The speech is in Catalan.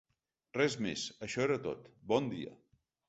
Res més, això era tot, bon dia.